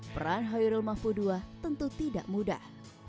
peran hoyrul mahfudua tentu tidak mudah